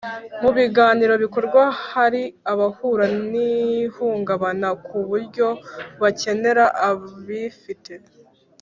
Mu biganiro bikorwa hari abahura n ihungabana ku buryo bakenera abifite